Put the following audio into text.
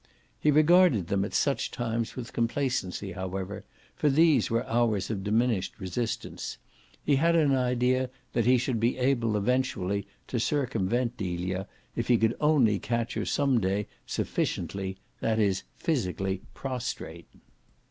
He regarded them at such times with complacency however, for these were hours of diminished resistance: he had an idea that he should be able eventually to circumvent Delia if he only could catch her some day sufficiently, that is physically, prostrate.